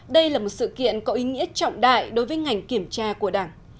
đây là một sự kiện có ý nghĩa trọng đại đối với ngành kiểm tra của đảng